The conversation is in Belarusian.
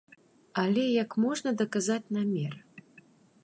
Але як можна даказаць намер?